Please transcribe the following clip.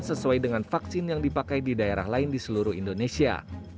sesuai dengan vaksin yang dipakai di daerah lain di seluruh indonesia